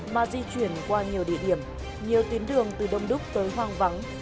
mà di chuyển qua nhiều địa điểm nhiều tuyến đường từ đông đúc tới hoang vắng